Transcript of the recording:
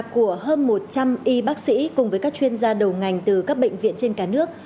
của hơn một trăm linh y bác sĩ cùng với các chuyên gia đầu ngành từ các bệnh viện trên cả nước